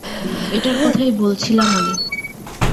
এটার কথাই বলছিলাম আমি।